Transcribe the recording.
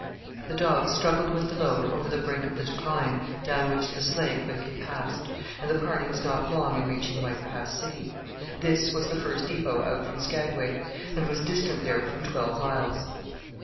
The dogs struggled with the load over the brink of the decline down which the sleigh quickly passed, and the party was not long in reaching White Pass City. This was the first depot out from Skagway, and was distant there from twelve miles.